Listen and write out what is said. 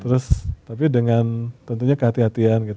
terus tapi dengan tentunya kehatian kehatian